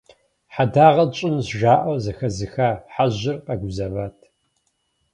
«Хьэдагъэ тщӏынущ» жаӏэу зыхэзыха хьэжьыр къэгузэват.